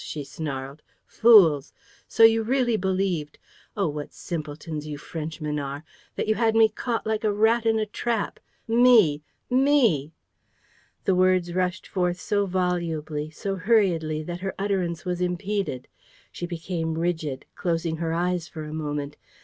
she snarled. "Fools! So you really believed oh, what simpletons you Frenchmen are! that you had me caught like a rat in a trap? Me! Me! ..." The words rushed forth so volubly, so hurriedly, that her utterance was impeded. She became rigid, closing her eyes for a moment.